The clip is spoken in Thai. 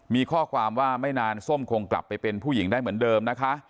มีข้อความว่าไม่นานส้มคงกลับไปเป็นผู้หญิงได้เหมือนเดิมนะคะ